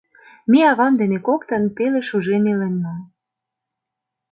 Ме авам дене коктын пеле шужен иленна.